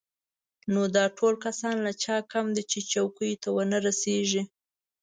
نو دا ټول کسان له چا کم دي چې چوکیو ته ونه رسېږي.